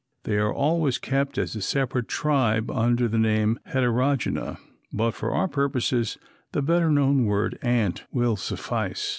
They are always kept as a separate tribe under the name Heterogyna, but for our purposes the better known word "ant" will suffice.